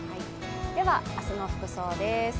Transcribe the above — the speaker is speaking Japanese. では明日の服装です。